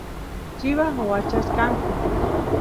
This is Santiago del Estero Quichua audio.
chivas wachachkanku